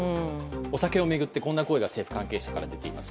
お酒を巡って、こんな声が政府関係者から出ています。